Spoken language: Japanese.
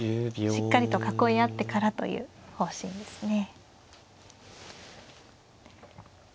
しっかりと囲い合ってからという方針ですね。